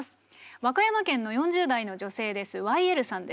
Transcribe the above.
和歌山県の４０代の女性です。